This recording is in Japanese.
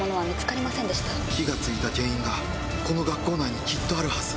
・火が付いた原因がこの学校内にきっとあるはず・